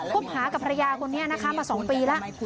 บหากับภรรยาคนนี้นะคะมา๒ปีแล้ว